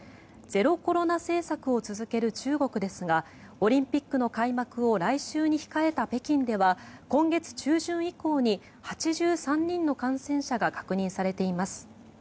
ゼロコロナ政策を続ける中国ですがオリンピックの開幕を来週に控えた北京では今月中旬以降に８３人の感染者が確認されています。